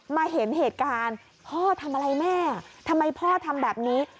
เห็นเหตุการณ์พ่อทำอะไรแม่ทำไมพ่อทำแบบนี้